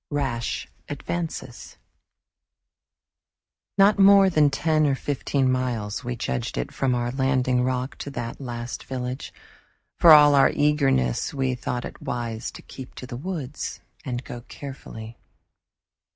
Rash Advances Not more than ten or fifteen miles we judged it from our landing rock to that last village. For all our eagerness we thought it wise to keep to the woods and go carefully.